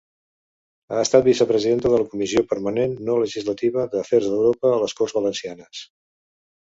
Ha estat vicepresidenta de la Comissió Permanent no legislativa d'Afers Europeus de les Corts Valencianes.